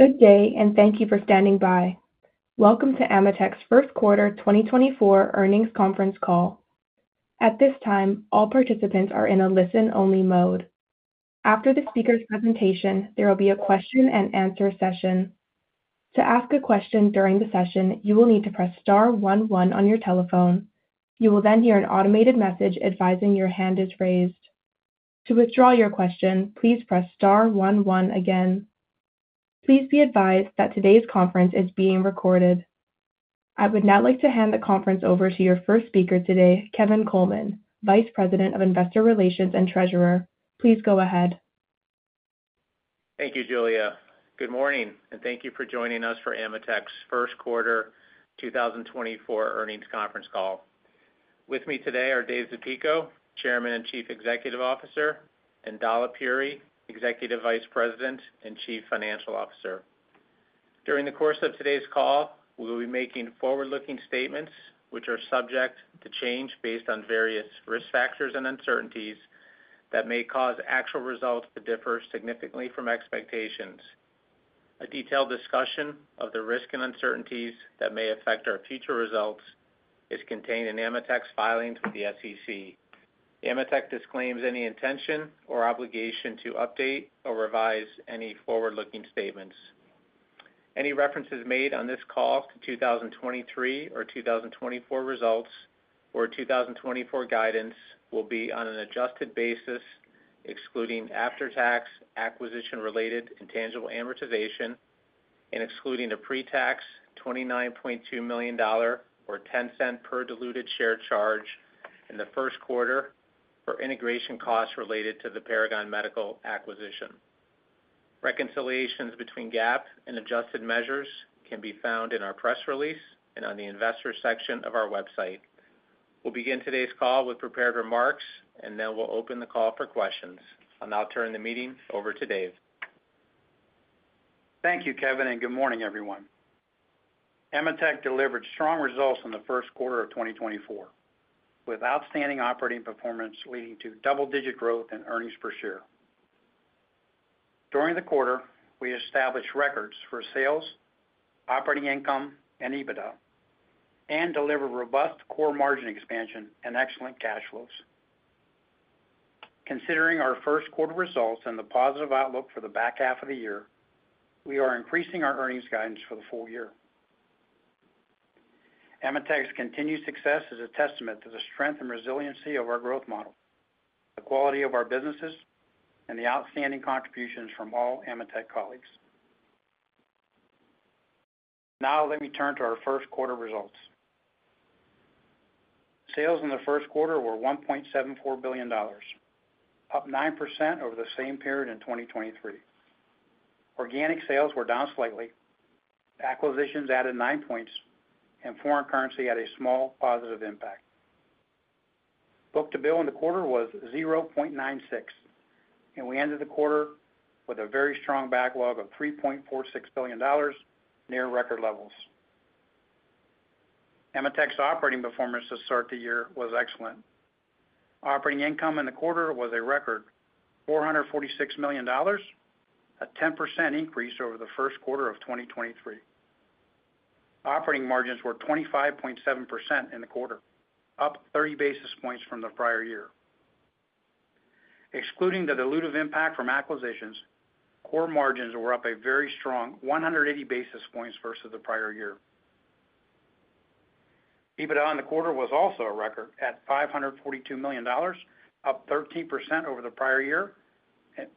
Good day, and thank you for standing by. Welcome to AMETEK's first quarter 2024 earnings conference call. At this time, all participants are in a listen-only mode. After the speaker's presentation, there will be a question-and-answer session. To ask a question during the session, you will need to press star one one on your telephone. You will then hear an automated message advising your hand is raised. To withdraw your question, please press star one one again. Please be advised that today's conference is being recorded. I would now like to hand the conference over to your first speaker today, Kevin Coleman, Vice President of Investor Relations and Treasurer. Please go ahead. Thank you, Julia. Good morning, and thank you for joining us for AMETEK's first quarter 2024 earnings conference call. With me today are Dave Zapico, Chairman and Chief Executive Officer, and Dalip Puri, Executive Vice President and Chief Financial Officer. During the course of today's call, we will be making forward-looking statements which are subject to change based on various risk factors and uncertainties that may cause actual results to differ significantly from expectations. A detailed discussion of the risk and uncertainties that may affect our future results is contained in AMETEK's filings with the SEC. AMETEK disclaims any intention or obligation to update or revise any forward-looking statements. Any references made on this call to 2023 or 2024 results or 2024 guidance will be on an adjusted basis, excluding after-tax acquisition-related intangible amortization and excluding a pre-tax $29.2 million or $0.10 per diluted share charge in the first quarter for integration costs related to the Paragon Medical acquisition. Reconciliations between GAAP and adjusted measures can be found in our press release and on the investor section of our website. We'll begin today's call with prepared remarks, and then we'll open the call for questions. I'll now turn the meeting over to Dave. Thank you, Kevin, and good morning, everyone. AMETEK delivered strong results in the first quarter of 2024 with outstanding operating performance leading to double-digit growth in earnings per share. During the quarter, we established records for sales, operating income, and EBITDA, and delivered robust core margin expansion and excellent cash flows. Considering our first quarter results and the positive outlook for the back half of the year, we are increasing our earnings guidance for the full year. AMETEK's continued success is a testament to the strength and resiliency of our growth model, the quality of our businesses, and the outstanding contributions from all AMETEK colleagues. Now let me turn to our first quarter results. Sales in the first quarter were $1.74 billion, up 9% over the same period in 2023. Organic sales were down slightly, acquisitions added nine points, and foreign currency had a small positive impact. Book-to-Bill in the quarter was 0.96, and we ended the quarter with a very strong backlog of $3.46 billion, near record levels. AMETEK's operating performance to start the year was excellent. Operating income in the quarter was a record, $446 million, a 10% increase over the first quarter of 2023. Operating margins were 25.7% in the quarter, up 30 basis points from the prior year. Excluding the dilutive impact from acquisitions, core margins were up a very strong 180 basis points versus the prior year. EBITDA in the quarter was also a record at $542 million, up 13% over the prior year,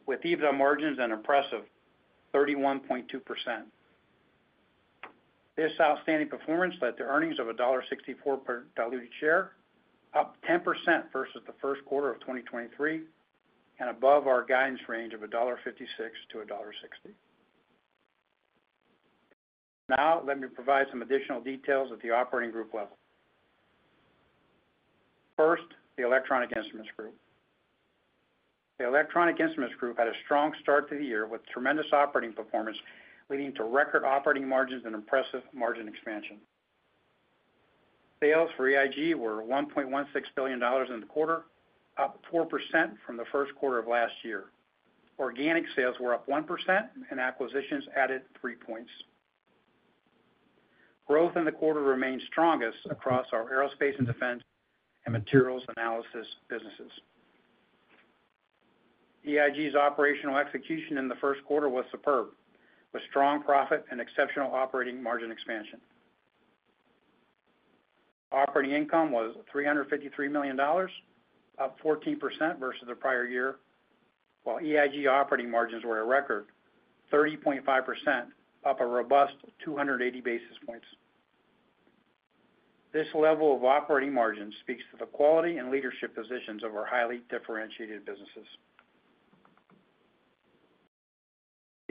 with EBITDA margins an impressive 31.2%. This outstanding performance led to earnings of $1.64 per diluted share, up 10% versus the first quarter of 2023 and above our guidance range of $1.56-$1.60. Now let me provide some additional details at the operating group level. First, the electronic instruments group. The electronic instruments group had a strong start to the year with tremendous operating performance leading to record operating margins and impressive margin expansion. Sales for EIG were $1.16 billion in the quarter, up 4% from the first quarter of last year. Organic sales were up 1%, and acquisitions added three points. Growth in the quarter remained strongest across our aerospace and defense and materials analysis businesses. EIG's operational execution in the first quarter was superb, with strong profit and exceptional operating margin expansion. Operating income was $353 million, up 14% versus the prior year, while EIG operating margins were a record, 30.5%, up a robust 280 basis points. This level of operating margin speaks to the quality and leadership positions of our highly differentiated businesses.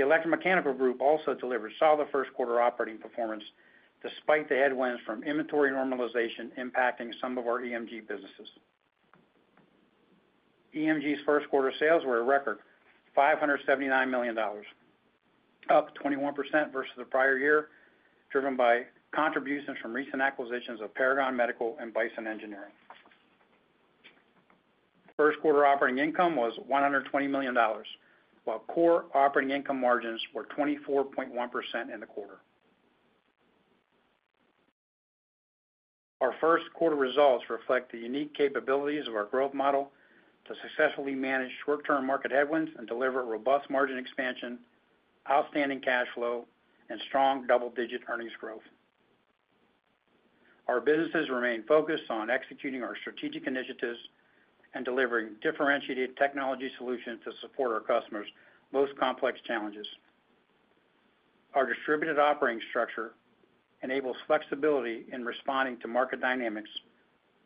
The Electromechanical Group also delivered solid first quarter operating performance despite the headwinds from inventory normalization impacting some of our EMG businesses. EMG's first quarter sales were a record, $579 million, up 21% versus the prior year, driven by contributions from recent acquisitions of Paragon Medical and Bison Gear & Engineering. First quarter operating income was $120 million, while core operating income margins were 24.1% in the quarter. Our first quarter results reflect the unique capabilities of our growth model to successfully manage short-term market headwinds and deliver robust margin expansion, outstanding cash flow, and strong double-digit earnings growth. Our businesses remain focused on executing our strategic initiatives and delivering differentiated technology solutions to support our customers' most complex challenges. Our distributed operating structure enables flexibility in responding to market dynamics,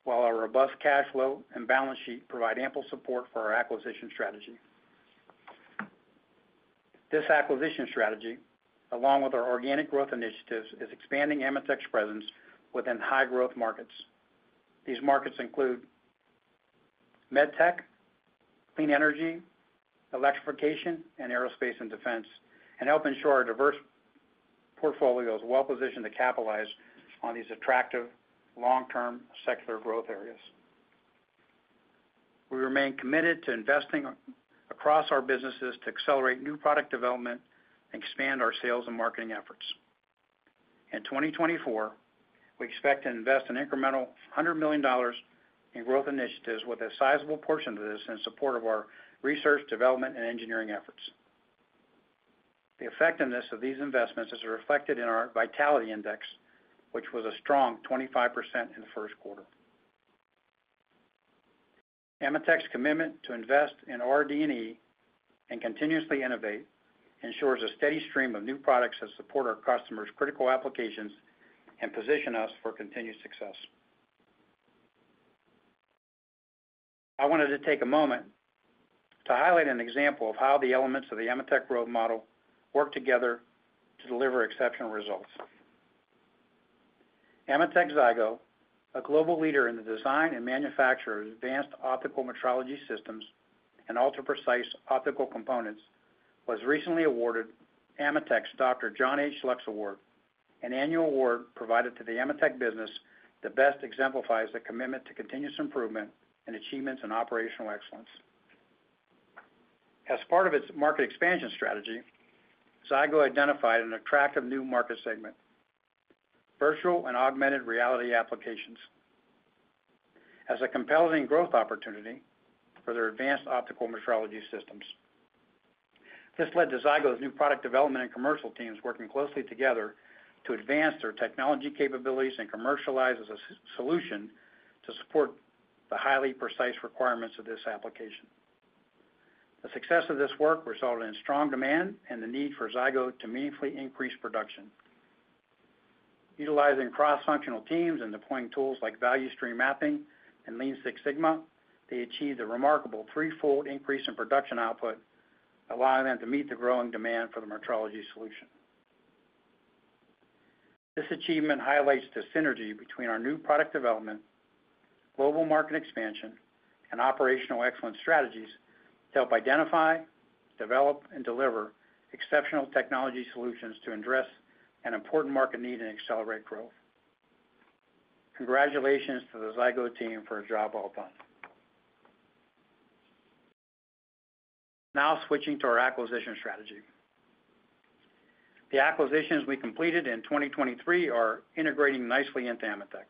while our robust cash flow and balance sheet provide ample support for our acquisition strategy. This acquisition strategy, along with our organic growth initiatives, is expanding AMETEK's presence within high-growth markets. These markets include MedTech, clean energy, electrification, and aerospace and defense, and help ensure our diverse portfolios well-positioned to capitalize on these attractive long-term secular growth areas. We remain committed to investing across our businesses to accelerate new product development and expand our sales and marketing efforts. In 2024, we expect to invest an incremental $100 million in growth initiatives, with a sizable portion of this in support of our research, development, and engineering efforts. The effectiveness of these investments is reflected in our vitality index, which was a strong 25% in the first quarter. AMETEK's commitment to invest in our D&E and continuously innovate ensures a steady stream of new products that support our customers' critical applications and position us for continued success. I wanted to take a moment to highlight an example of how the elements of the AMETEK growth model work together to deliver exceptional results. AMETEK Zygo, a global leader in the design and manufacture of advanced optical metrology systems and ultra-precise optical components, was recently awarded AMETEK's Dr. John H. Lux Award, an annual award provided to the AMETEK business that best exemplifies the commitment to continuous improvement in achievements and operational excellence. As part of its market expansion strategy, Zygo identified an attractive new market segment: virtual and augmented reality applications as a compelling growth opportunity for their advanced optical metrology systems. This led to Zygo's new product development and commercial teams working closely together to advance their technology capabilities and commercialize as a solution to support the highly precise requirements of this application. The success of this work resulted in strong demand and the need for Zygo to meaningfully increase production. Utilizing cross-functional teams and deploying tools like Value Stream Mapping and Lean Six Sigma, they achieved a remarkable threefold increase in production output, allowing them to meet the growing demand for the metrology solution. This achievement highlights the synergy between our new product development, global market expansion, and operational excellence strategies to help identify, develop, and deliver exceptional technology solutions to address an important market need and accelerate growth. Congratulations to the Zygo team for a job well done. Now switching to our acquisition strategy. The acquisitions we completed in 2023 are integrating nicely into AMETEK.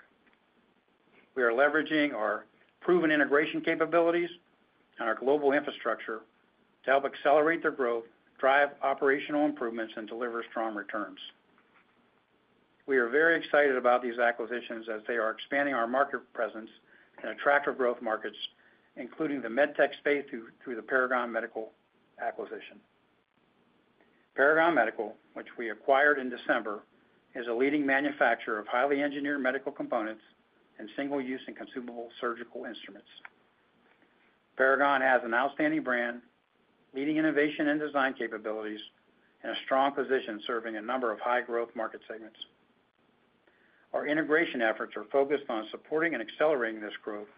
We are leveraging our proven integration capabilities and our global infrastructure to help accelerate their growth, drive operational improvements, and deliver strong returns. We are very excited about these acquisitions as they are expanding our market presence in attractive growth markets, including the MedTech space through the Paragon Medical acquisition. Paragon Medical, which we acquired in December, is a leading manufacturer of highly engineered medical components and single-use and consumable surgical instruments. Paragon has an outstanding brand, leading innovation and design capabilities, and a strong position serving a number of high-growth market segments. Our integration efforts are focused on supporting and accelerating this growth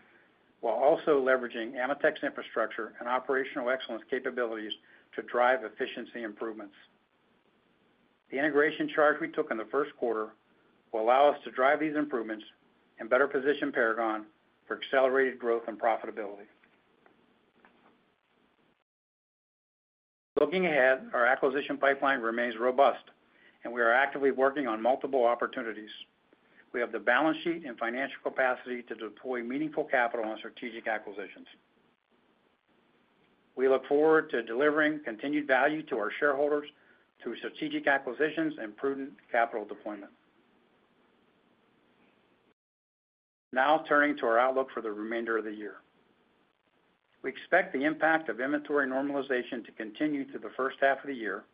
while also leveraging AMETEK's infrastructure and operational excellence capabilities to drive efficiency improvements. The integration charge we took in the first quarter will allow us to drive these improvements and better position Paragon for accelerated growth and profitability. Looking ahead, our acquisition pipeline remains robust, and we are actively working on multiple opportunities. We have the balance sheet and financial capacity to deploy meaningful capital on strategic acquisitions. We look forward to delivering continued value to our shareholders through strategic acquisitions and prudent capital deployment. Now turning to our outlook for the remainder of the year. We expect the impact of inventory normalization to continue through the first half of the year,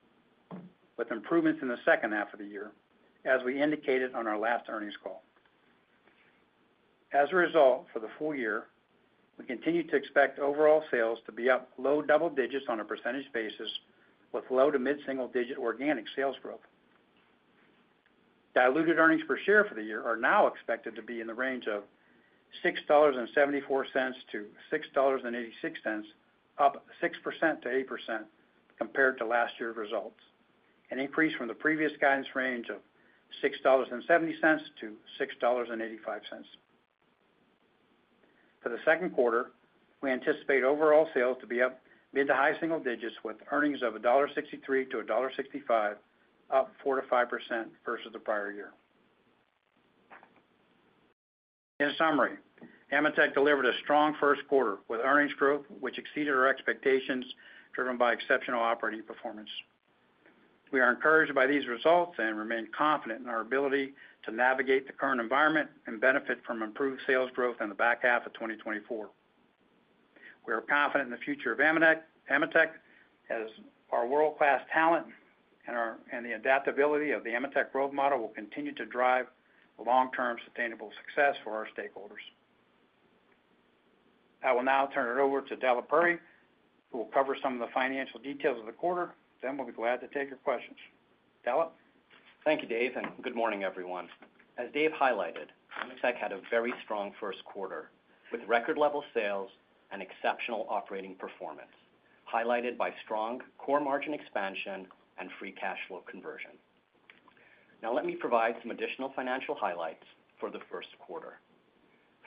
with improvements in the second half of the year, as we indicated on our last earnings call. As a result, for the full year, we continue to expect overall sales to be up low double digits on a percentage basis, with low to mid-single digit organic sales growth. Diluted earnings per share for the year are now expected to be in the range of $6.74-$6.86, up 6%-8% compared to last year's results, an increase from the previous guidance range of $6.70-$6.85. For the second quarter, we anticipate overall sales to be up mid- to high-single-digits, with earnings of $1.63-$1.65, up 4%-5% versus the prior year. In summary, AMETEK delivered a strong first quarter with earnings growth which exceeded our expectations, driven by exceptional operating performance. We are encouraged by these results and remain confident in our ability to navigate the current environment and benefit from improved sales growth in the back half of 2024. We are confident in the future of AMETEK, as our world-class talent and the adaptability of the AMETEK growth model will continue to drive long-term sustainable success for our stakeholders. I will now turn it over to Dalip Puri, who will cover some of the financial details of the quarter. Then we'll be glad to take your questions. Dalip? Thank you, Dave, and good morning, everyone. As Dave highlighted, AMETEK had a very strong first quarter with record-level sales and exceptional operating performance, highlighted by strong core margin expansion and free cash flow conversion. Now let me provide some additional financial highlights for the first quarter.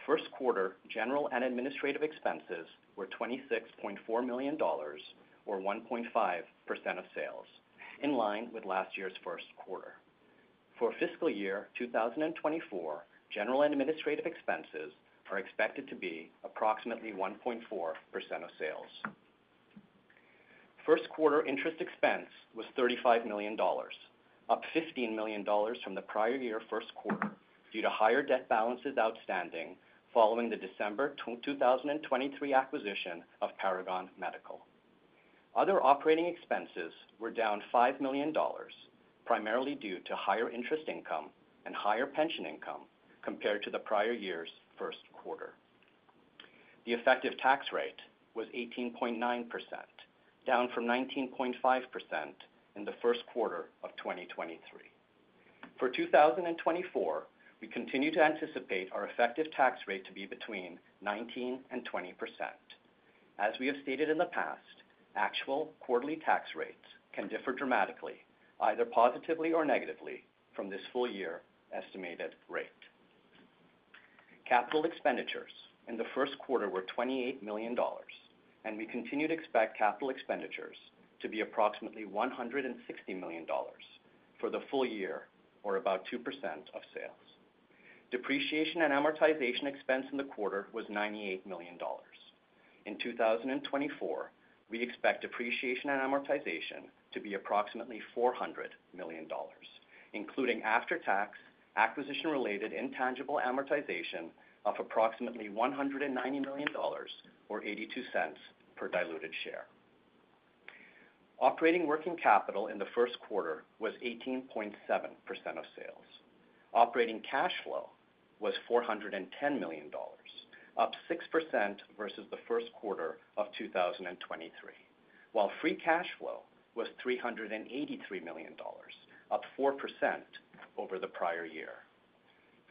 First quarter general and administrative expenses were $26.4 million, or 1.5% of sales, in line with last year's first quarter. For fiscal year 2024, general and administrative expenses are expected to be approximately 1.4% of sales. First quarter interest expense was $35 million, up $15 million from the prior year first quarter due to higher debt balances outstanding following the December 2023 acquisition of Paragon Medical. Other operating expenses were down $5 million, primarily due to higher interest income and higher pension income compared to the prior year's first quarter. The effective tax rate was 18.9%, down from 19.5% in the first quarter of 2023. For 2024, we continue to anticipate our effective tax rate to be between 19% and 20%. As we have stated in the past, actual quarterly tax rates can differ dramatically, either positively or negatively, from this full year estimated rate. Capital expenditures in the first quarter were $28 million, and we continue to expect capital expenditures to be approximately $160 million for the full year, or about 2% of sales. Depreciation and amortization expense in the quarter was $98 million. In 2024, we expect depreciation and amortization to be approximately $400 million, including after-tax, acquisition-related intangible amortization of approximately $190 million, or $0.82 per diluted share. Operating working capital in the first quarter was 18.7% of sales. Operating cash flow was $410 million, up 6% versus the first quarter of 2023, while free cash flow was $383 million, up 4% over the prior year.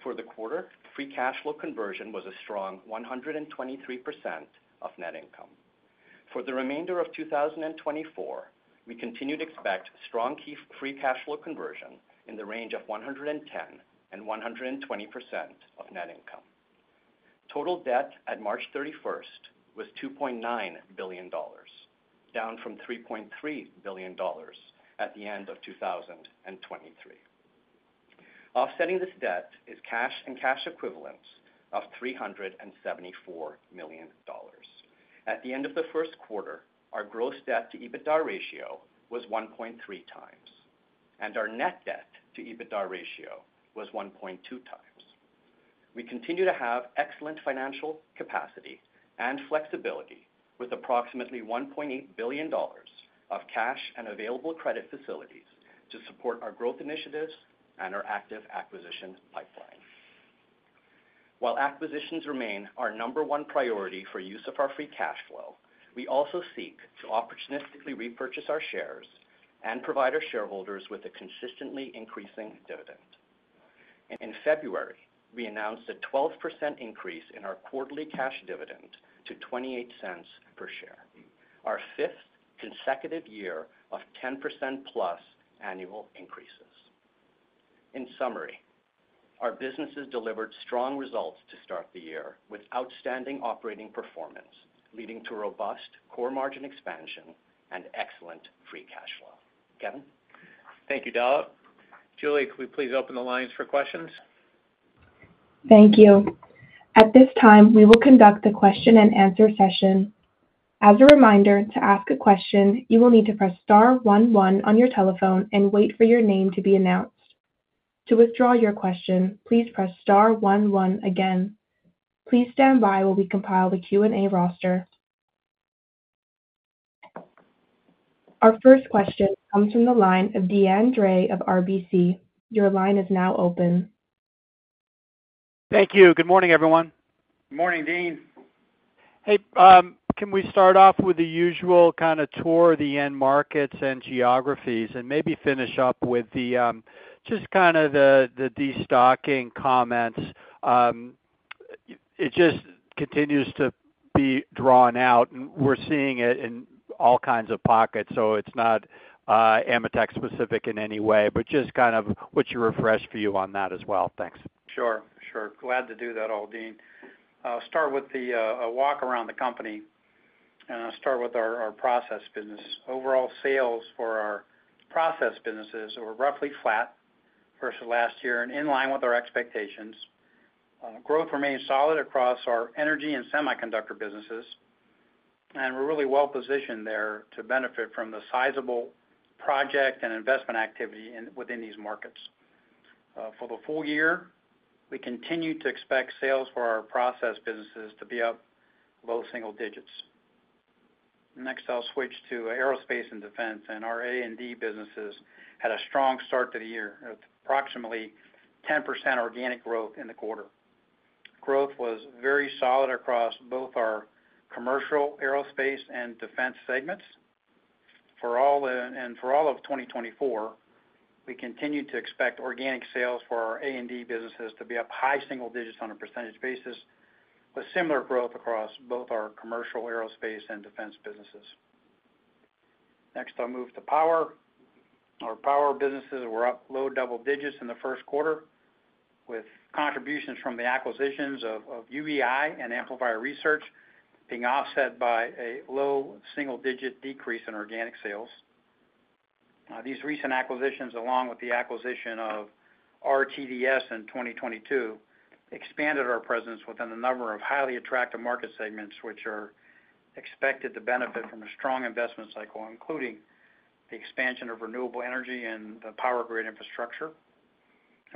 For the quarter, free cash flow conversion was a strong 123% of net income. For the remainder of 2024, we continue to expect strong key free cash flow conversion in the range of 110%-120% of net income. Total debt at March 31st was $2.9 billion, down from $3.3 billion at the end of 2023. Offsetting this debt is cash and cash equivalents of $374 million. At the end of the first quarter, our gross debt-to-EBITDA ratio was 1.3 times, and our net debt-to-EBITDA ratio was 1.2 times. We continue to have excellent financial capacity and flexibility, with approximately $1.8 billion of cash and available credit facilities to support our growth initiatives and our active acquisition pipeline. While acquisitions remain our number one priority for use of our free cash flow, we also seek to opportunistically repurchase our shares and provide our shareholders with a consistently increasing dividend. In February, we announced a 12% increase in our quarterly cash dividend to $0.28 per share, our fifth consecutive year of 10%-plus annual increases. In summary, our businesses delivered strong results to start the year with outstanding operating performance, leading to robust core margin expansion and excellent free cash flow. Kevin? Thank you, Dalip. Julia, could we please open the lines for questions? Thank you. At this time, we will conduct the question-and-answer session. As a reminder, to ask a question, you will need to press star one one on your telephone and wait for your name to be announced. To withdraw your question, please press star one one again. Please stand by while we compile the Q&A roster. Our first question comes from the line of Deane Dray of RBC. Your line is now open. Thank you. Good morning, everyone. Good morning, Deane. Hey, can we start off with the usual kind of tour of the end markets and geographies and maybe finish up with just kind of the destocking comments? It just continues to be drawn out, and we're seeing it in all kinds of pockets, so it's not AMETEK-specific in any way, but just kind of what you refresh for you on that as well. Thanks. Sure. Sure. Glad to do that all, Deane. I'll start with a walk around the company, and I'll start with our process business. Overall sales for our process businesses were roughly flat versus last year and in line with our expectations. Growth remained solid across our energy and semiconductor businesses, and we're really well positioned there to benefit from the sizable project and investment activity within these markets. For the full year, we continue to expect sales for our process businesses to be up low single digits. Next, I'll switch to aerospace and defense. Our A&D businesses had a strong start to the year with approximately 10% organic growth in the quarter. Growth was very solid across both our commercial aerospace and defense segments. For all of 2024, we continue to expect organic sales for our AD businesses to be up high single digits%, with similar growth across both our commercial aerospace and defense businesses. Next, I'll move to power. Our power businesses were up low double digits% in the first quarter, with contributions from the acquisitions of UEI and Amplifier Research being offset by a low single-digit% decrease in organic sales. These recent acquisitions, along with the acquisition of RTDS in 2022, expanded our presence within a number of highly attractive market segments which are expected to benefit from a strong investment cycle, including the expansion of renewable energy and the power grid infrastructure.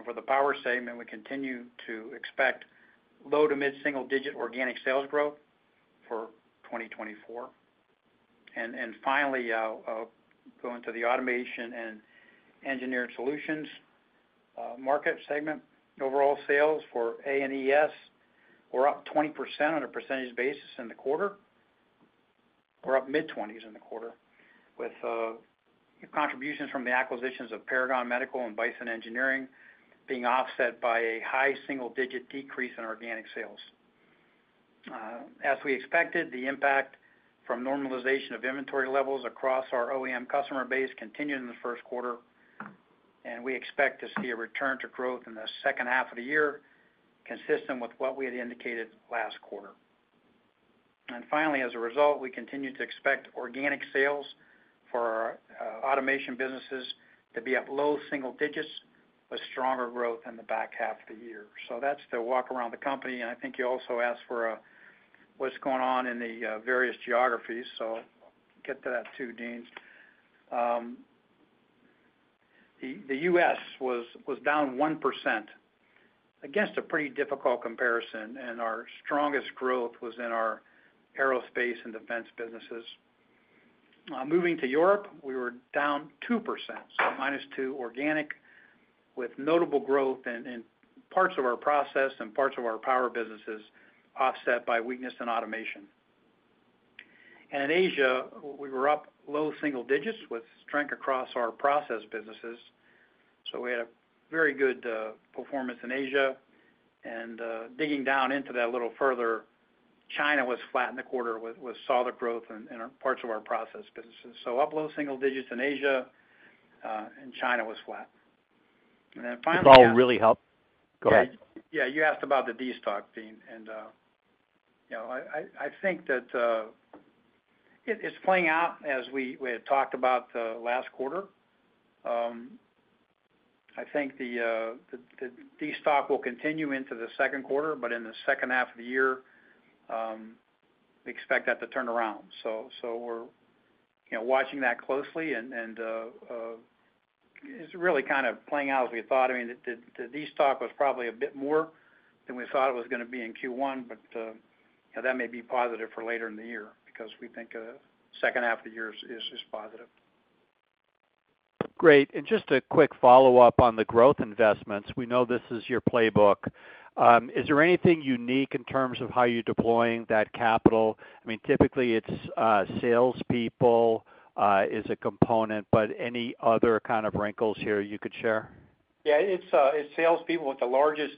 For the power segment, we continue to expect low- to mid-single-digit% organic sales growth for 2024. Finally, going to the automation and engineered solutions market segment, overall sales for AES were up 20% on a percentage basis in the quarter. We're up mid-20s% in the quarter, with contributions from the acquisitions of Paragon Medical and Bison Gear & Engineering being offset by a high single-digit decrease in organic sales. As we expected, the impact from normalization of inventory levels across our OEM customer base continued in the first quarter, and we expect to see a return to growth in the second half of the year consistent with what we had indicated last quarter. Finally, as a result, we continue to expect organic sales for our automation businesses to be up low single-digits, with stronger growth in the back half of the year. That's the walk around the company. And I think you also asked for what's going on in the various geographies, so get to that too, Deane. The US was down 1%, against a pretty difficult comparison, and our strongest growth was in our aerospace and defense businesses. Moving to Europe, we were down 2%, so minus two organic, with notable growth in parts of our process and parts of our power businesses offset by weakness in automation. And in Asia, we were up low single digits, with strength across our process businesses. So we had a very good performance in Asia. And digging down into that a little further, China was flat in the quarter with solid growth in parts of our process businesses. So up low single digits in Asia, and China was flat. And then finally. This all really helped. Go ahead. Yeah. You asked about the destock, Deane. I think that it's playing out as we had talked about the last quarter. I think the destock will continue into the second quarter, but in the second half of the year, we expect that to turn around. We're watching that closely, and it's really kind of playing out as we thought. I mean, the destock was probably a bit more than we thought it was going to be in Q1, but that may be positive for later in the year because we think the second half of the year is positive. Great. And just a quick follow-up on the growth investments. We know this is your playbook. Is there anything unique in terms of how you're deploying that capital? I mean, typically, it's salespeople is a component, but any other kind of wrinkles here you could share? Yeah. It's salespeople, but the largest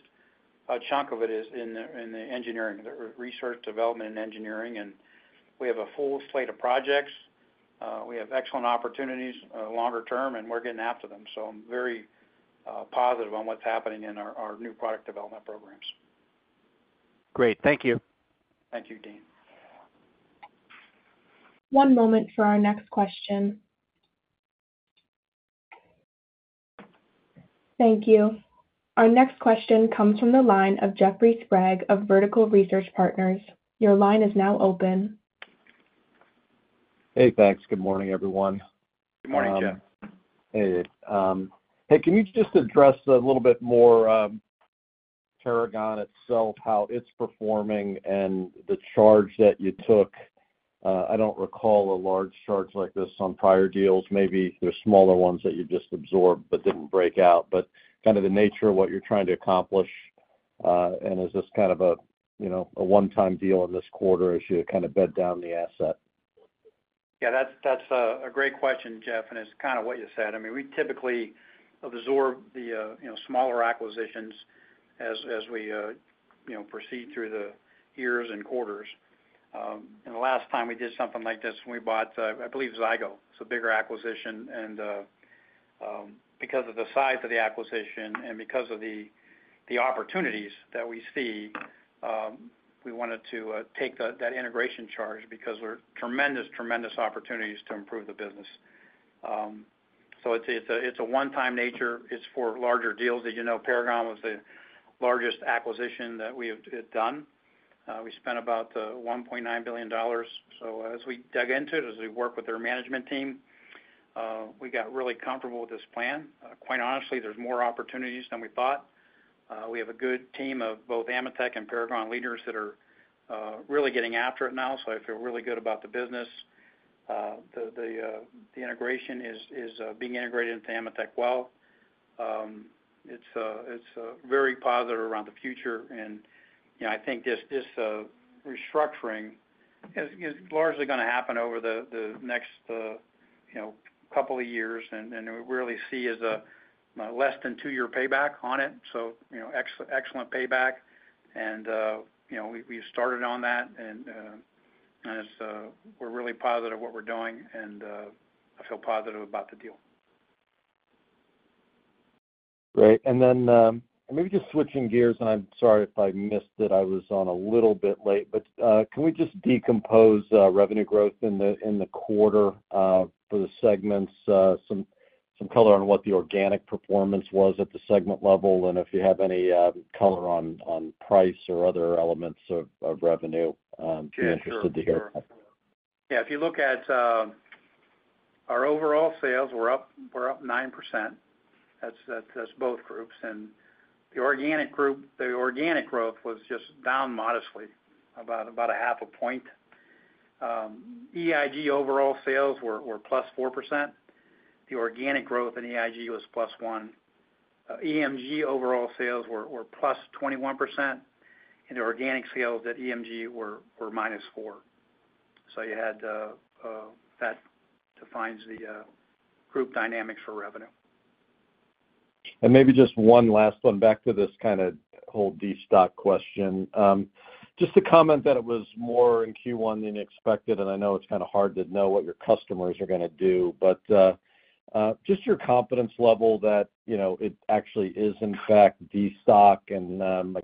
chunk of it is in the engineering, the research, development, and engineering. We have a full slate of projects. We have excellent opportunities longer term, and we're getting after them. I'm very positive on what's happening in our new product development programs. Great. Thank you. Thank you, Deane. One moment for our next question. Thank you. Our next question comes from the line of Jeffrey Sprague of Vertical Research Partners. Your line is now open. Hey, thanks. Good morning, everyone. Good morning, Jeff. Hey. Hey, can you just address a little bit more, Paragon itself, how it's performing and the charge that you took? I don't recall a large charge like this on prior deals. Maybe there's smaller ones that you just absorbed but didn't break out, but kind of the nature of what you're trying to accomplish. And is this kind of a one-time deal in this quarter as you kind of bed down the asset? Yeah. That's a great question, Jeff, and it's kind of what you said. I mean, we typically absorb the smaller acquisitions as we proceed through the years and quarters. And the last time we did something like this, we bought, I believe, Zygo. It's a bigger acquisition. And because of the size of the acquisition and because of the opportunities that we see, we wanted to take that integration charge because there are tremendous, tremendous opportunities to improve the business. So it's a one-time nature. It's for larger deals. As you know, Paragon was the largest acquisition that we had done. We spent about $1.9 billion. So as we dug into it, as we worked with their management team, we got really comfortable with this plan. Quite honestly, there's more opportunities than we thought. We have a good team of both AMETEK and Paragon leaders that are really getting after it now, so I feel really good about the business. The integration is being integrated into AMETEK well. It's very positive around the future. I think this restructuring is largely going to happen over the next couple of years, and we really see as a less than two-year payback on it. Excellent payback, and we've started on that. We're really positive what we're doing, and I feel positive about the deal. Great. And then maybe just switching gears, and I'm sorry if I missed that I was on a little bit late, but can we just decompose revenue growth in the quarter for the segments, some color on what the organic performance was at the segment level, and if you have any color on price or other elements of revenue, be interested to hear about? Sure. Yeah. If you look at our overall sales, we're up 9%. That's both groups. And the organic group, the organic growth was just down modestly, about 0.5 point. EIG overall sales were +4%. The organic growth in EIG was +1. EMG overall sales were +21%, and the organic sales at EMG were -4. So you had that defines the group dynamics for revenue. Maybe just one last one, back to this kind of whole destock question. Just a comment that it was more in Q1 than you expected, and I know it's kind of hard to know what your customers are going to do, but just your confidence level that it actually is, in fact, destock, and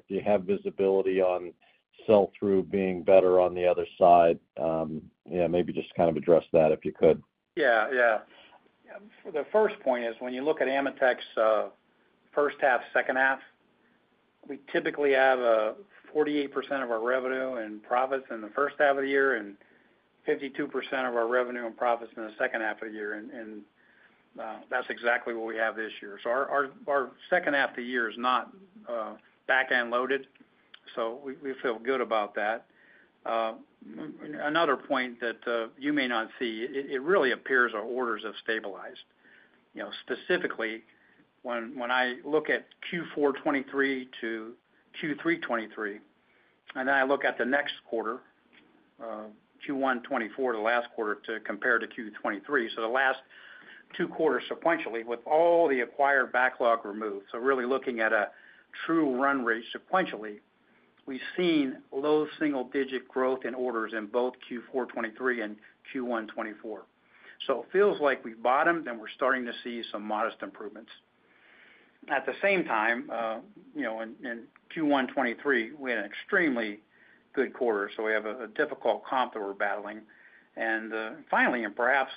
do you have visibility on sell-through being better on the other side? Yeah, maybe just kind of address that if you could. Yeah. Yeah. The first point is when you look at AMETEK's first half, second half, we typically have 48% of our revenue and profits in the first half of the year and 52% of our revenue and profits in the second half of the year. That's exactly what we have this year. Our second half of the year is not backend-loaded, so we feel good about that. Another point that you may not see, it really appears our orders have stabilized. Specifically, when I look at Q4 2023 to Q3 2023, and then I look at the next quarter, Q1 2024 to the last quarter to compare to Q4 2023, so the last two quarters sequentially with all the acquired backlog removed, so really looking at a true run rate sequentially, we've seen low single digit growth in orders in both Q4 2023 and Q1 2024. So it feels like we've bottomed, and we're starting to see some modest improvements. At the same time, in Q1 2023, we had an extremely good quarter, so we have a difficult comp that we're battling. Finally, and perhaps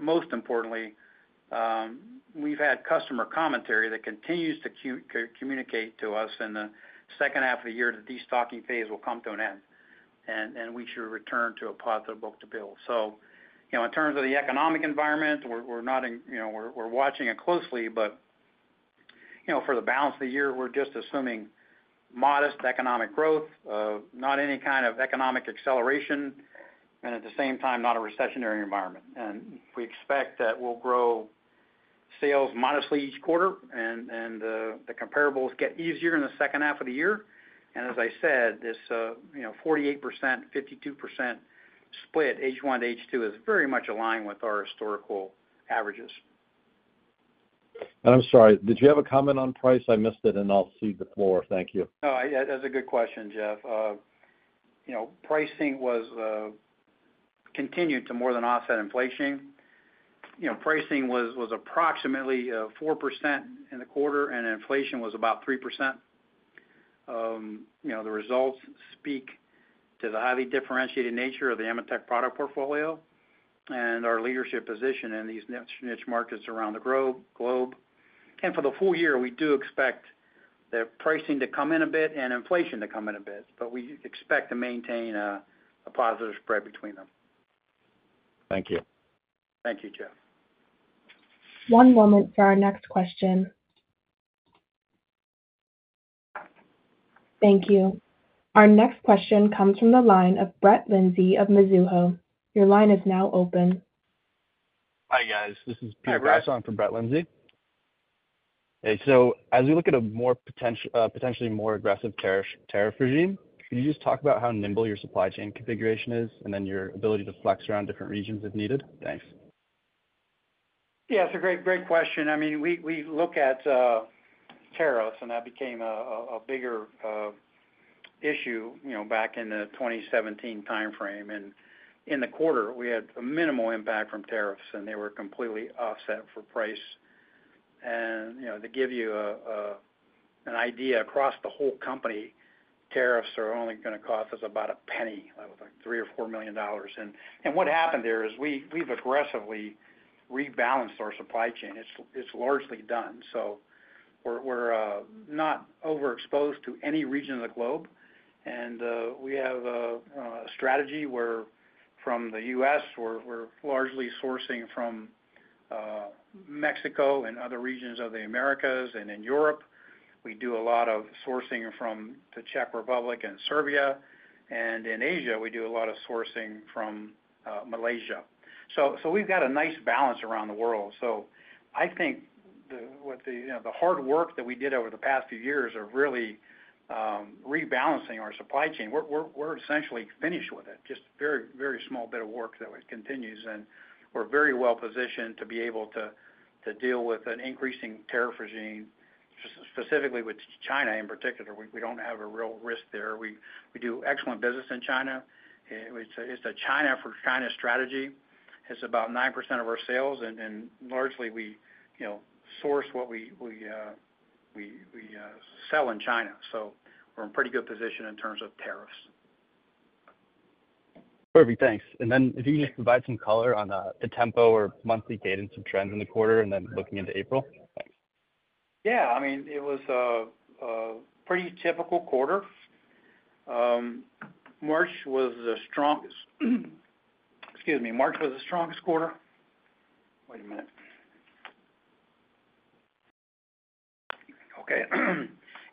most importantly, we've had customer commentary that continues to communicate to us in the second half of the year that the destocking phase will come to an end, and we should return to a positive book-to-bill. So in terms of the economic environment, we're watching it closely, but for the balance of the year, we're just assuming modest economic growth, not any kind of economic acceleration, and at the same time, not a recessionary environment. We expect that we'll grow sales modestly each quarter, and the comparables get easier in the second half of the year. As I said, this 48%-52% split H1 to H2 is very much aligned with our historical averages. I'm sorry. Did you have a comment on price? I missed it, and I'll cede the floor. Thank you. No. That's a good question, Jeff. Pricing continued to more than offset inflation. Pricing was approximately 4% in the quarter, and inflation was about 3%. The results speak to the highly differentiated nature of the AMETEK product portfolio and our leadership position in these niche markets around the globe. For the full year, we do expect that pricing to come in a bit and inflation to come in a bit, but we expect to maintain a positive spread between them. Thank you. Thank you, Jeff. One moment for our next question. Thank you. Our next question comes from the line of Brett Linzey of Mizuho. Your line is now open. Hi, guys. This is Peter on from Brett Linzey. Okay. So as we look at a potentially more aggressive tariff regime, could you just talk about how nimble your supply chain configuration is and then your ability to flex around different regions if needed? Thanks. Yeah. It's a great question. I mean, we look at tariffs, and that became a bigger issue back in the 2017 timeframe. In the quarter, we had a minimal impact from tariffs, and they were completely offset for price. To give you an idea across the whole company, tariffs are only going to cost us about $0.01, like $3 million or $4 million. What happened there is we've aggressively rebalanced our supply chain. It's largely done. So we're not overexposed to any region of the globe. We have a strategy where from the U.S., we're largely sourcing from Mexico and other regions of the Americas and in Europe. We do a lot of sourcing from the Czech Republic and Serbia. In Asia, we do a lot of sourcing from Malaysia. So we've got a nice balance around the world. So I think the hard work that we did over the past few years of really rebalancing our supply chain, we're essentially finished with it, just a very, very small bit of work that continues. And we're very well positioned to be able to deal with an increasing tariff regime, specifically with China in particular. We don't have a real risk there. We do excellent business in China. It's a China for China strategy. It's about 9% of our sales, and largely, we source what we sell in China. So we're in pretty good position in terms of tariffs. Perfect. Thanks. Then if you can just provide some color on the tempo or monthly cadence and some trends in the quarter and then looking into April? Thanks. Yeah. I mean, it was a pretty typical quarter. March was the strongest quarter.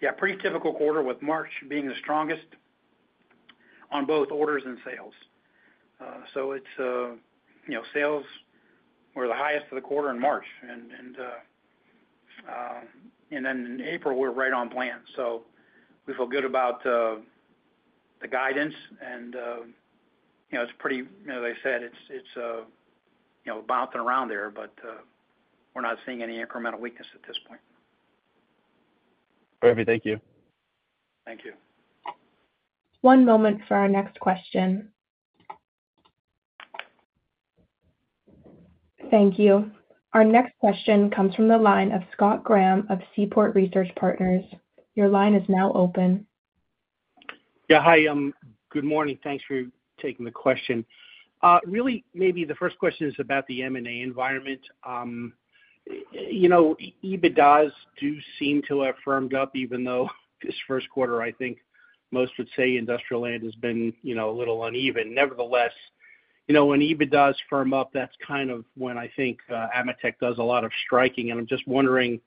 Yeah. Pretty typical quarter with March being the strongest on both orders and sales. So sales were the highest of the quarter in March. And then in April, we're right on plan. So we feel good about the guidance, and it's pretty, as I said, it's bouncing around there, but we're not seeing any incremental weakness at this point. Perfect. Thank you. Thank you. One moment for our next question. Thank you. Our next question comes from the line of Scott Graham of Seaport Research Partners. Your line is now open. Yeah. Hi. Good morning. Thanks for taking the question. Really, maybe the first question is about the M&A environment. EBITDAs do seem to have firmed up, even though this first quarter, I think most would say the industrial landscape has been a little uneven. Nevertheless, when EBITDAs firm up, that's kind of when I think AMETEK does a lot of striking. And I'm just wondering,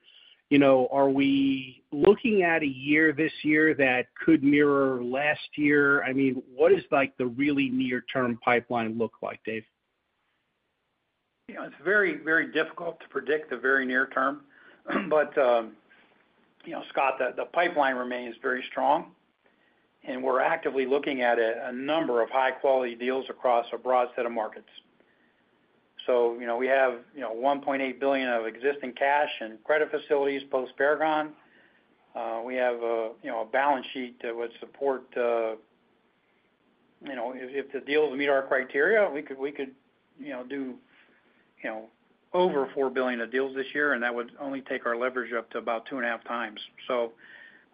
are we looking at a year this year that could mirror last year? I mean, what does the really near-term pipeline look like, Dave? It's very, very difficult to predict the very near term. But Scott, the pipeline remains very strong, and we're actively looking at a number of high-quality deals across a broad set of markets. So we have $1.8 billion of existing cash and credit facilities post-Paragon. We have a balance sheet that would support if the deals meet our criteria, we could do over $4 billion of deals this year, and that would only take our leverage up to about 2.5 times. So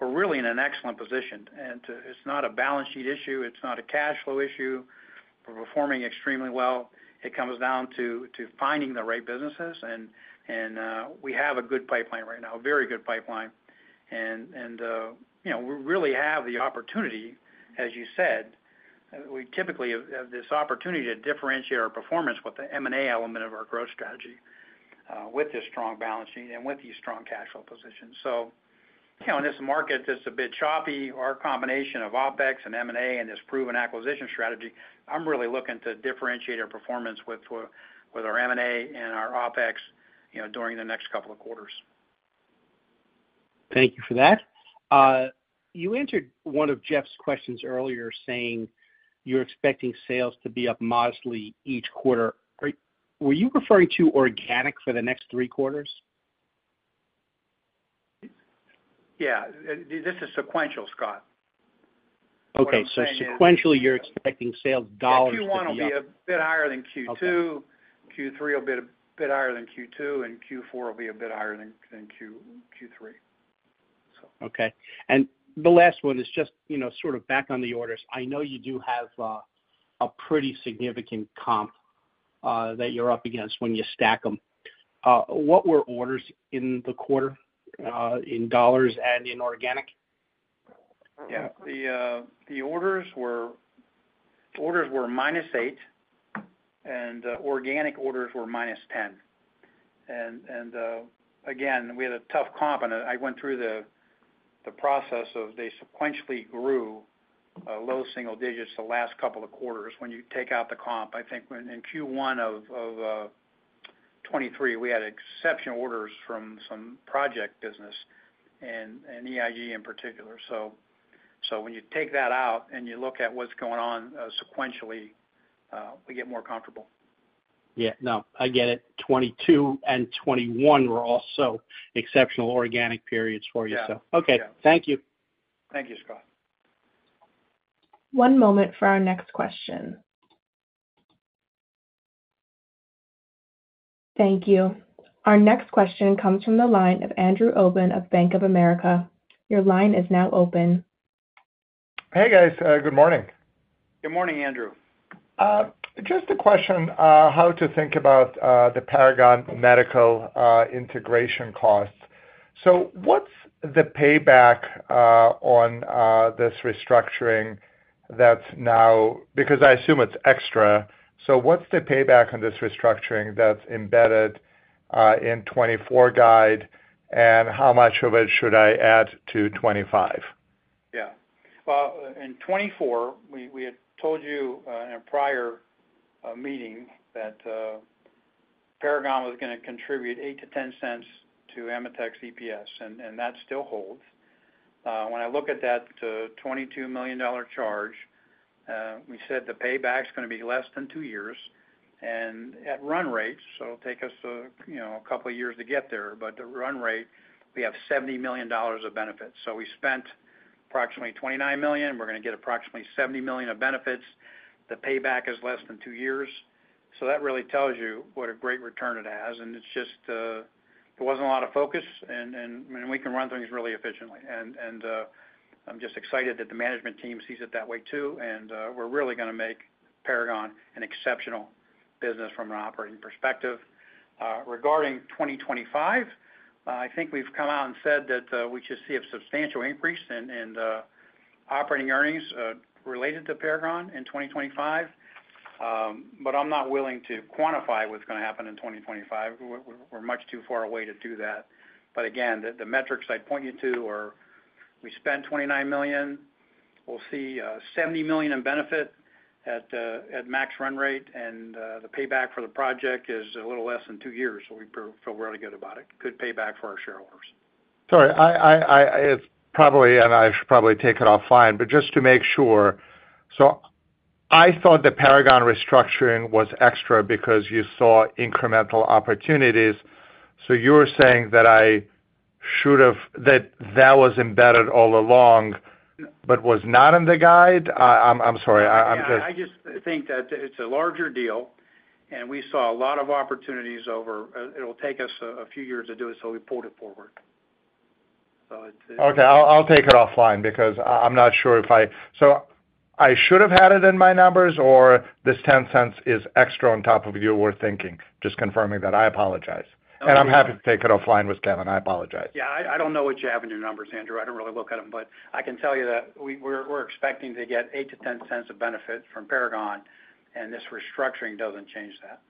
we're really in an excellent position. And it's not a balance sheet issue. It's not a cash flow issue. We're performing extremely well. It comes down to finding the right businesses. And we have a good pipeline right now, a very good pipeline. And we really have the opportunity, as you said, we typically have this opportunity to differentiate our performance with the M&A element of our growth strategy with this strong balance sheet and with these strong cash flow positions. So in this market, it's a bit choppy. Our combination of OPEX and M&A and this proven acquisition strategy, I'm really looking to differentiate our performance with our M&A and our OPEX during the next couple of quarters. Thank you for that. You answered one of Jeff's questions earlier saying you're expecting sales to be up modestly each quarter. Were you referring to organic for the next three quarters? Yeah. This is sequential, Scott. Okay. So sequentially, you're expecting sales dollars per quarter. Q1 will be a bit higher than Q2. Q3 will be a bit higher than Q2, and Q4 will be a bit higher than Q3, so. Okay. The last one is just sort of back on the orders. I know you do have a pretty significant comp that you're up against when you stack them. What were orders in the quarter in dollars and in organic? Yeah. The orders were -8, and organic orders were -10. And again, we had a tough comp, and I went through the process of they sequentially grew low single digits the last couple of quarters. When you take out the comp, I think in Q1 of 2023, we had exceptional orders from some project business and EIG in particular. So when you take that out and you look at what's going on sequentially, we get more comfortable. Yeah. No. I get it. 2022 and 2021 were also exceptional organic periods for you. So okay. Thank you. Thank you, Scott. One moment for our next question. Thank you. Our next question comes from the line of Andrew Obin of Bank of America. Your line is now open. Hey, guys. Good morning. Good morning, Andrew. Just a question how to think about the Paragon Medical integration costs. So what's the payback on this restructuring that's now because I assume it's extra. So what's the payback on this restructuring that's embedded in 2024 guide, and how much of it should I add to 2025? Yeah. Well, in 2024, we had told you in a prior meeting that Paragon was going to contribute $0.08-$0.10 to AMETEK's EPS, and that still holds. When I look at that $22 million charge, we said the payback's going to be less than two years. And at run rate, so it'll take us a couple of years to get there, but the run rate, we have $70 million of benefits. So we spent approximately $29 million. We're going to get approximately $70 million of benefits. The payback is less than two years. So that really tells you what a great return it has. And it wasn't a lot of focus, and we can run things really efficiently. And I'm just excited that the management team sees it that way too. And we're really going to make Paragon an exceptional business from an operating perspective. Regarding 2025, I think we've come out and said that we should see a substantial increase in operating earnings related to Paragon in 2025. But I'm not willing to quantify what's going to happen in 2025. We're much too far away to do that. But again, the metrics I point you to are, we spent $29 million. We'll see $70 million in benefit at max run rate. And the payback for the project is a little less than two years, so we feel really good about it, good payback for our shareholders. Sorry. I should probably take it offline, but just to make sure. I thought the Paragon restructuring was extra because you saw incremental opportunities. You were saying that that was embedded all along but was not in the guide? I'm sorry. I'm just. Yeah. I just think that it's a larger deal, and we saw a lot of opportunities. It'll take us a few years to do it, so we pulled it forward. So it's. Okay. I'll take it offline because I'm not sure if I so I should have had it in my numbers, or this $0.10 is extra on top of your worth thinking? Just confirming that. I apologize. And I'm happy to take it offline with Kevin. I apologize. Yeah. I don't know what you have in your numbers, Andrew. I don't really look at them. But I can tell you that we're expecting to get $0.08-$0.10 of benefit from Paragon, and this restructuring doesn't change that.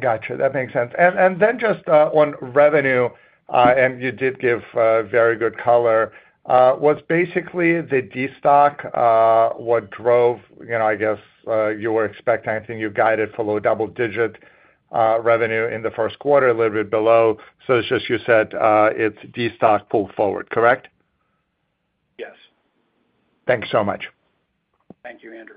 Gotcha. That makes sense. And then just on revenue, and you did give very good color. Was basically the destock what drove, I guess, your expecting? I think you guided for low double-digit revenue in the first quarter, a little bit below. So it's just you said it's destock pulled forward. Correct? Yes. Thanks so much. Thank you, Andrew.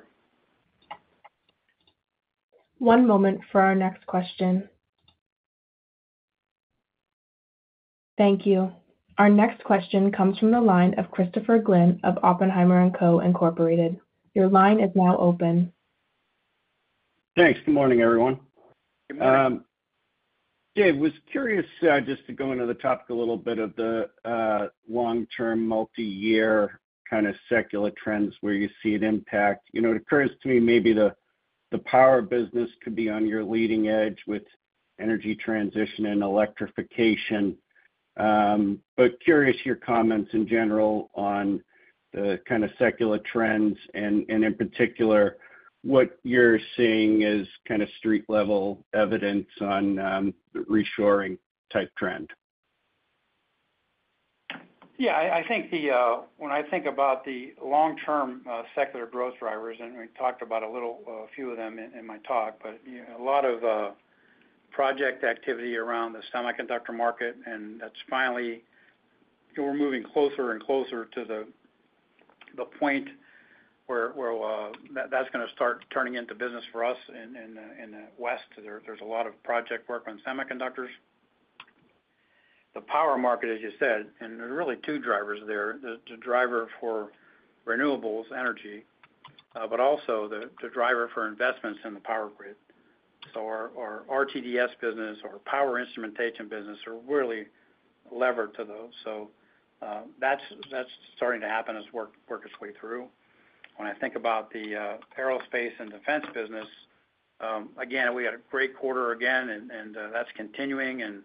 One moment for our next question. Thank you. Our next question comes from the line of Christopher Glynn of Oppenheimer & Co., Inc. Your line is now open. Thanks. Good morning, everyone. Good morning. Dave, I was curious just to go into the topic a little bit of the long-term multi-year kind of secular trends where you see an impact. It occurs to me maybe the power business could be on your leading edge with energy transition and electrification. But I'm curious about your comments in general on the kind of secular trends and, in particular, what you're seeing as kind of street-level evidence on the reshoring-type trend. Yeah. When I think about the long-term secular growth drivers, and we talked about a few of them in my talk, but a lot of project activity around the semiconductor market. And we're moving closer and closer to the point where that's going to start turning into business for us in the West. There's a lot of project work on semiconductors. The power market, as you said, and there's really two drivers there, the driver for renewables, energy, but also the driver for investments in the power grid. So our RTDS business, our power instrumentation business, are really levered to those. So that's starting to happen, it's working its way through. When I think about the aerospace and defense business, again, we had a great quarter again, and that's continuing. And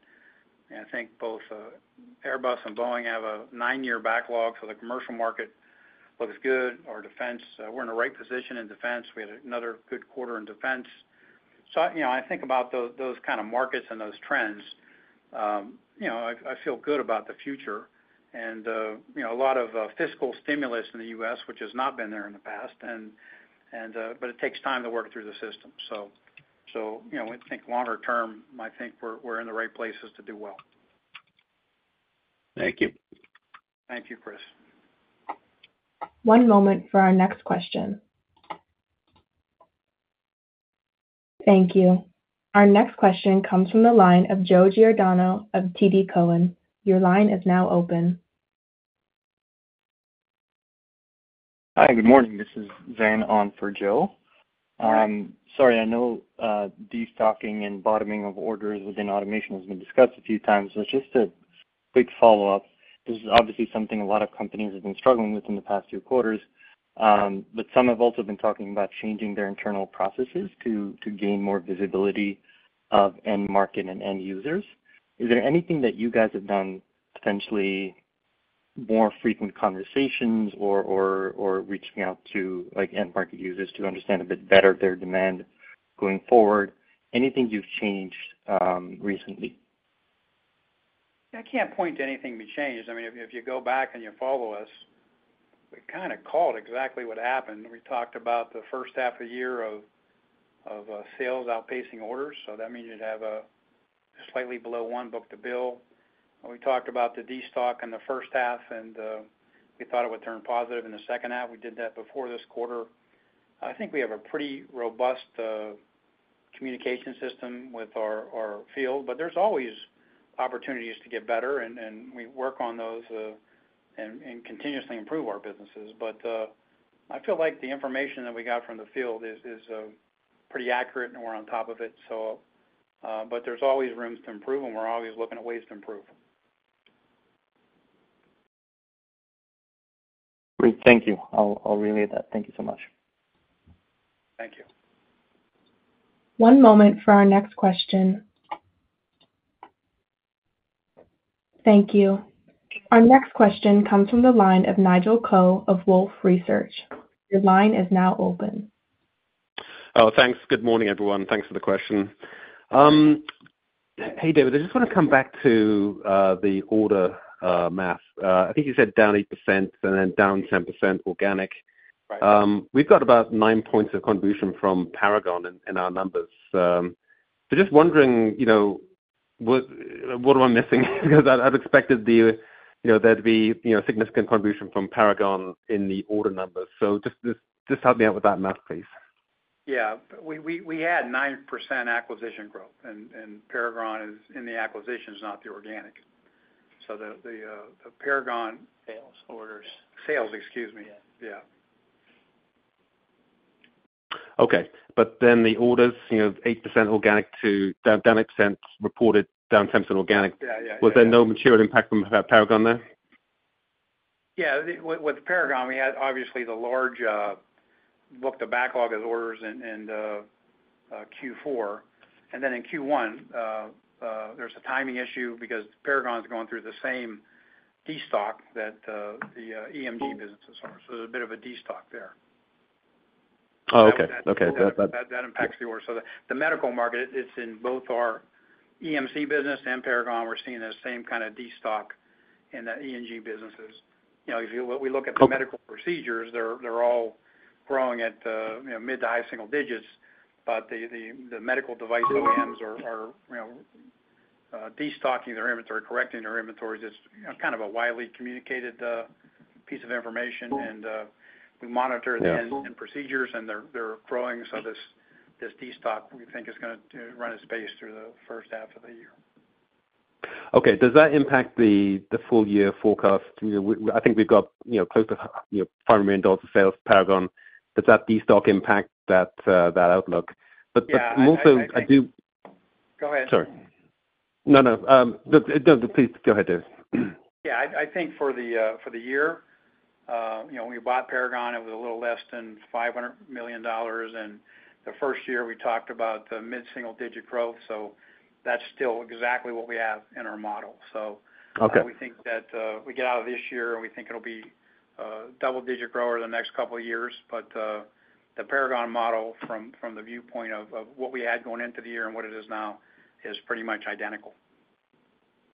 I think both Airbus and Boeing have a nine-year backlog. So the commercial market looks good. We're in the right position in defense. We had another good quarter in defense. So I think about those kind of markets and those trends, I feel good about the future. And a lot of fiscal stimulus in the U.S., which has not been there in the past, but it takes time to work through the system. So I think longer term, I think we're in the right places to do well. Thank you. Thank you, Chris. One moment for our next question. Thank you. Our next question comes from the line of Joe Giordano of TD Cowen. Your line is now open. Hi. Good morning. This is Zain on for Joe. Sorry. I know destocking and bottoming of orders within automation has been discussed a few times. So just a quick follow-up. This is obviously something a lot of companies have been struggling with in the past few quarters. But some have also been talking about changing their internal processes to gain more visibility of end market and end users. Is there anything that you guys have done, potentially more frequent conversations or reaching out to end market users to understand a bit better their demand going forward? Anything you've changed recently? I can't point to anything we changed. I mean, if you go back and you follow us, we kind of caught exactly what happened. We talked about the first half of the year of sales outpacing orders. So that means you'd have slightly below one book-to-bill. We talked about the destock in the first half, and we thought it would turn positive in the second half. We did that before this quarter. I think we have a pretty robust communication system with our field, but there's always opportunities to get better. We work on those and continuously improve our businesses. I feel like the information that we got from the field is pretty accurate, and we're on top of it. There's always rooms to improve, and we're always looking at ways to improve. Great. Thank you. I'll relay that. Thank you so much. Thank you. One moment for our next question. Thank you. Our next question comes from the line of Nigel Coe of Wolfe Research. Your line is now open. Oh, thanks. Good morning, everyone. Thanks for the question. Hey, David. I just want to come back to the order math. I think you said down 8% and then down 10% organic. We've got about nine points of contribution from Paragon in our numbers. So just wondering, what am I missing? Because I'd expected there to be a significant contribution from Paragon in the order numbers. So just help me out with that math, please. Yeah. We had 9% acquisition growth, and Paragon is in the acquisitions, not the organic. So the Paragon sales. Orders. Sales, excuse me. Yeah. Okay. But then the orders, +8% organic to -10% reported, -10% organic, was there no material impact from Paragon there? Yeah. With Paragon, we had obviously a large backlog of orders in Q4. And then in Q1, there's a timing issue because Paragon's going through the same destock that the EMG businesses are. There's a bit of a destock there. Oh, okay. Okay. That impacts the order. So the medical market, it's in both our EMC business and Paragon, we're seeing the same kind of destock in the EMG businesses. If we look at the medical procedures, they're all growing at mid to high single digits. But the medical device OEMs are destocking their inventory, correcting their inventories. It's kind of a widely communicated piece of information. We monitor the end procedures, and they're growing. So this destock, we think, is going to run its pace through the first half of the year. Okay. Does that impact the full-year forecast? I think we've got close to $5 million of sales Paragon. Does that destock impact that outlook? But also, I do. Yeah. Go ahead. Sorry. No, no. No, please go ahead, David. Yeah. I think for the year, when we bought Paragon, it was a little less than $500 million. The first year, we talked about the mid-single-digit growth. So that's still exactly what we have in our model. So we think that we get out of this year, and we think it'll be a double-digit grower the next couple of years. But the Paragon model, from the viewpoint of what we had going into the year and what it is now, is pretty much identical.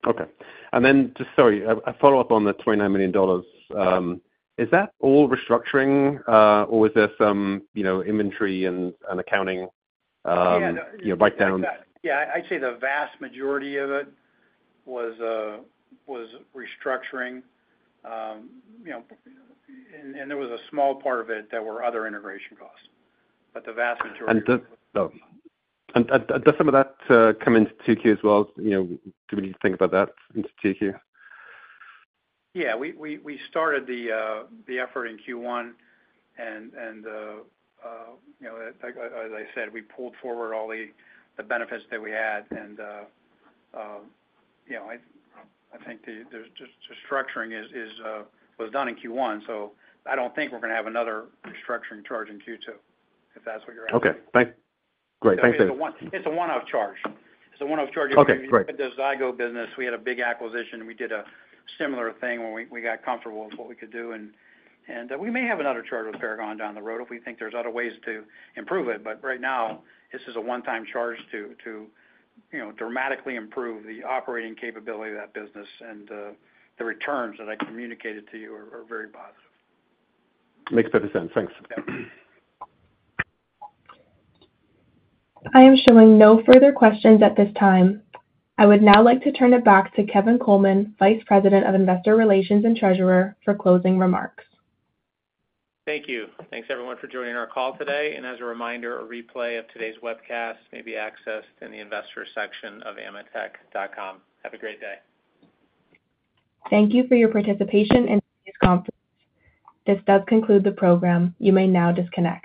Okay. And then, just sorry, a follow-up on the $29 million. Is that all restructuring, or was there some inventory and accounting write-downs? Yeah. I'd say the vast majority of it was restructuring. And there was a small part of it that were other integration costs. But the vast majority. Does some of that come into TQ as well? Do we need to think about that into TQ? Yeah. We started the effort in Q1. As I said, we pulled forward all the benefits that we had. I think the restructuring was done in Q1. I don't think we're going to have another restructuring charge in Q2, if that's what you're asking. Okay. Great. Thanks, David. It's a one-off charge. It's a one-off charge. If you look at the Zygo business, we had a big acquisition. We did a similar thing where we got comfortable with what we could do. And we may have another charge with Paragon down the road if we think there's other ways to improve it. But right now, this is a one-time charge to dramatically improve the operating capability of that business. And the returns that I communicated to you are very positive. Makes perfect sense. Thanks. I am showing no further questions at this time. I would now like to turn it back to Kevin Coleman, Vice President of Investor Relations and Treasurer, for closing remarks. Thank you. Thanks, everyone, for joining our call today. As a reminder, a replay of today's webcast may be accessed in the investor section of AMETEK.com. Have a great day. Thank you for your participation in today's conference. This does conclude the program. You may now disconnect.